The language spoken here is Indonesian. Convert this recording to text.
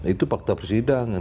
itu fakta persidangan